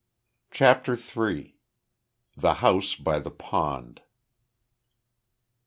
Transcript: CHAPTER THREE. THE HOUSE BY THE POND.